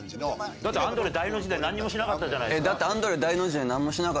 だってアンドレ大の字でなんもしなかったじゃないですか。